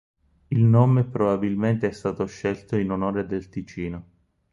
Il nome è probabilmente stato scelto in onore del Ticino.